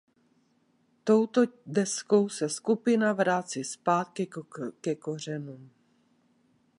Touto deskou se skupina vrací zpátky ke kořenům.